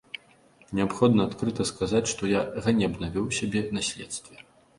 Неабходна адкрыта сказаць, што я ганебна вёў сябе на следстве.